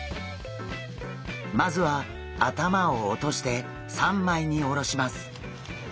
まずは頭を落として三枚におろします。